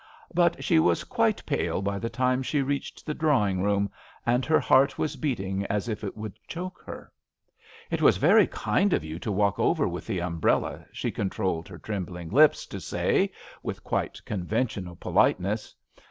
But she was quite pale by the time she reached the drawing room, and her heart was beating as if it would choke her* " It was very kind of you to walk over with the umbrella," she controlled her trembling lips to say, with quite conventional politeness.